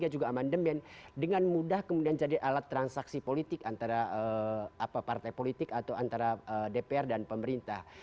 juga amandemen dengan mudah kemudian jadi alat transaksi politik antara partai politik atau antara dpr dan pemerintah